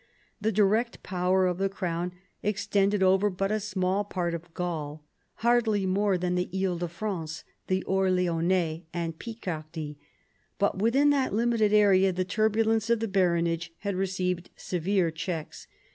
The direct power of the crown extended over but a small part of Gaul, hardly more than the He de France, the Orleanais, and Picardy. But within that limited area the turbulence of the baronage had received severe checks.